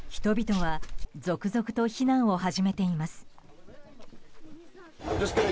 人々は続々と避難を始めています。